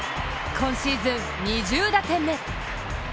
今シーズン２０打点目。